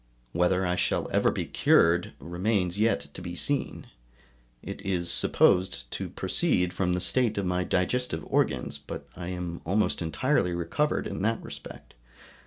Whether I shall ever be cured remains yet to be seen; it is supposed to proceed from the state of my digestive organs, but I am almost entirely recovered in that respect.